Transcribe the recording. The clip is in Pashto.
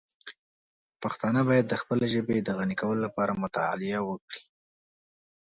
پښتانه باید د خپلې ژبې د غني کولو لپاره مطالعه وکړي.